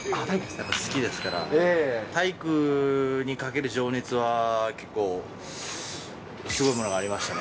好きですから、体育にかける情熱は結構、すごいものがありましたね。